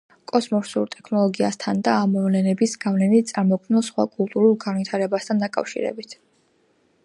კოსმოსურ ტექნოლოგიასთან და ამ მოვლენების გავლენით წარმოქმნილ სხვა კულტურულ განვითარებასთან დაკავშირებით.